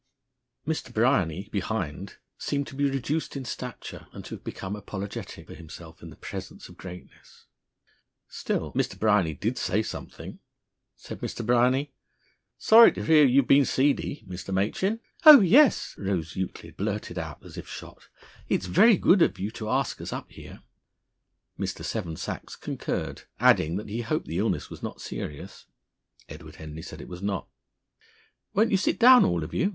Mr. Bryany, behind, seemed to be reduced in stature, and to have become apologetic for himself in the presence of greatness. Still, Mr. Bryany did say something. Said Mr. Bryany: "Sorry to hear you've been seedy, Mr. Machin!" "Oh, yes!" Rose Euclid blurted out, as if shot. "It's very good of you to ask us up here." Mr. Seven Sachs concurred, adding that he hoped the illness was not serious. Edward Henry said it was not. "Won't you sit down, all of you?"